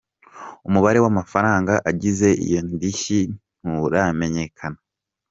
Umubare w’amafaranga agize iyo ndishyi nturamenyekana.